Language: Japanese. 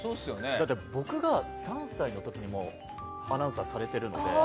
だって、僕が３歳の時にもアナウンサーされているので。